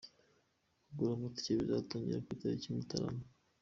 Kugura amatike bizarangirana na tariki Mutarama.